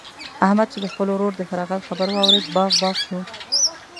احمد چې د خپل ورور د فراغت خبر واورېد؛ باغ باغ شو.